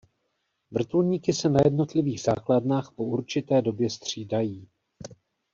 Vrtulníky se na jednotlivých základnách po určité době střídají.